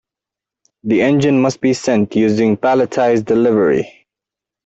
The engine must be sent using palletized delivery.